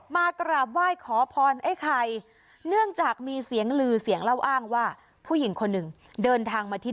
มากราบไหว้ขอพรไอ้ไข่เนื่องจากมีเสียงลือเสียงเล่าอ้างว่าผู้หญิงคนหนึ่งเดินทางมาที่